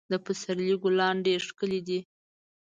د پسرلي ګلان ډېر ښکلي دي.